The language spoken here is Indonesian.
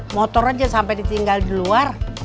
motor aja sampai ditinggal di luar